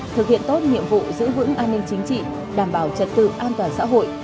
thực hiện tốt nhiệm vụ giữ vững an ninh chính trị đảm bảo trật tự an toàn xã hội